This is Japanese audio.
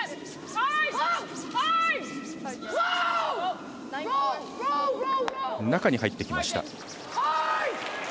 ハウスの中に入ってきました。